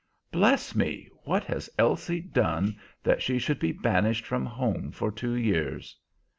"Bless me! what has Elsie done that she should be banished from home for two years?"